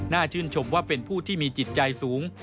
ชื่นชมว่าเป็นผู้ที่มีจิตใจสูง